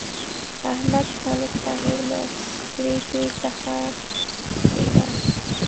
احمد د ملک صاحب له پرېکړې څخه وتښتېدا.